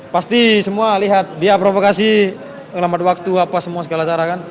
pasti semua lihat dia provokasi selamat waktu apa semua segala cara kan